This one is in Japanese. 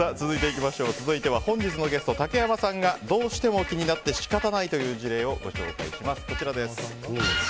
続いては本日のゲスト竹山さんがどうしても気になって仕方ないという事例をご紹介します。